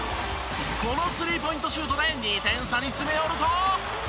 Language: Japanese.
このスリーポイントシュートで２点差に詰め寄ると。